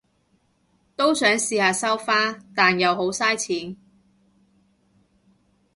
都想試下收花，但又好晒錢